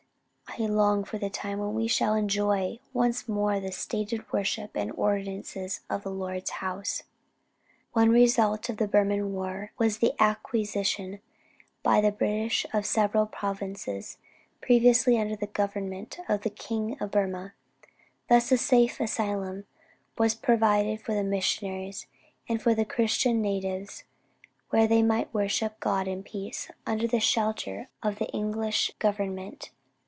I long for the time when we shall enjoy once more the stated worship and ordinances of the Lord's house." "One result of the Burman war, was the acquisition by the British of several provinces previously under the government of the King of Burmah. Thus a safe asylum was provided for the missionaries, and for the Christian natives where they might worship God in peace, under the shelter of the English government."